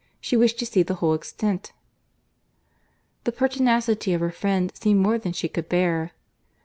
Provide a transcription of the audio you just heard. —She wished to see the whole extent."—The pertinacity of her friend seemed more than she could bear.